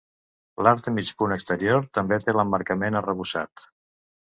L'arc de mig punt exterior també té l'emmarcament arrebossat.